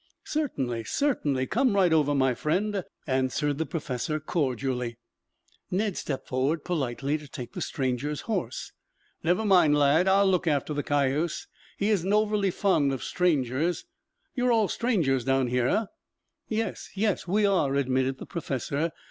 "Certainly, certainly. Come right over, my friend," answered the professor cordially. Ned stepped forward politely to take the stranger's horse. "Never mind, lad. I'll look after the cayuse. He isn't over fond of strangers. You're all strangers down here, eh?" "Yes, yes. We are," admitted the professor.